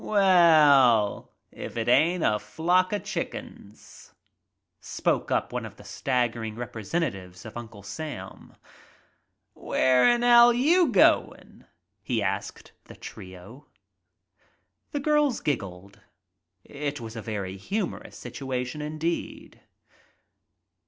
"Well, if there ain't a flock o* chickens !'? spoke up one of the staggering representatives of Uncle Sam. "Where'n hell you goin* ?" he asked the trio. The girls giggled. It was a very humorous situa tion indeed.